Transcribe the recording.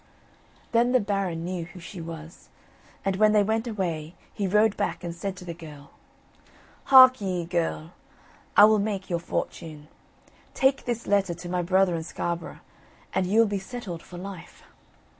Then the Baron knew who she was, and when they went away, he rode back and said to the girl: "Hark ye, girl, I will make your fortune. Take this letter to my brother in Scarborough, and you will be settled for life."